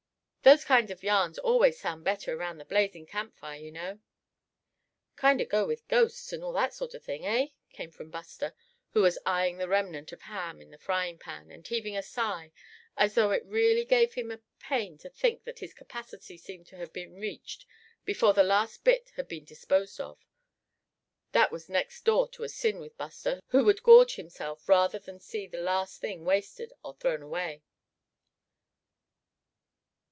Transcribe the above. Those kind of yarns always sound better around the blazing camp fire, you know." "Kinder go with ghosts, and all that sort of thing, eh?" came from Buster, who was eyeing the remnant of ham in the fryingpan, and heaving a sigh, as though it really gave him a pain to think that his capacity seemed to have been reached before the last bit had been disposed of; that was next door to a sin with Buster, who would gorge himself rather than see the least thing wasted, or thrown away.